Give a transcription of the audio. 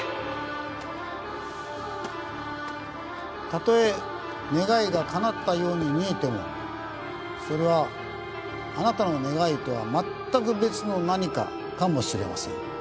たとえ願いがかなったように見えてもそれはあなたの願いとは全く別の何かかもしれません。